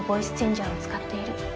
ジャーを使っている。